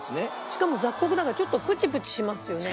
しかも雑穀だからちょっとプチプチしますよね。